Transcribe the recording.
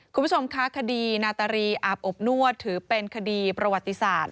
คุณผู้ชมคะคดีนาตารีอาบอบนวดถือเป็นคดีประวัติศาสตร์